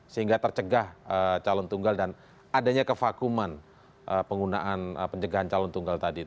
sehingga tercegah calon tunggal dan adanya kevakuman penggunaan pencegahan calon tunggal tadi